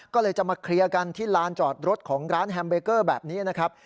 ก็เลยจะมาเคลียร์กันที่ลานจอดรถของร้านแฮมเบเกอร์แบบนี้นะครับ